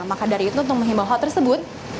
maka dari itu untuk menghimbau hal tersebut